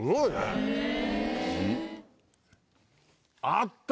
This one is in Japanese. あった！